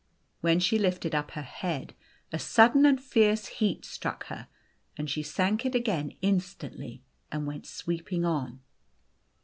When she lifted up her head a sudden and fierce heat struck her, and she dropped it again instantly, and went sweeping on.